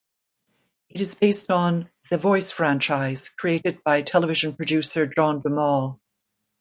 It is based on "The Voice franchise" created by television producer John de Mol.